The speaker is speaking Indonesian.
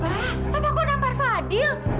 papa aku nampak fadil